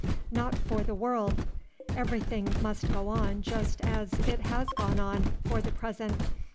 "Not for the world. Everything must go on just as it has gone on, for the present.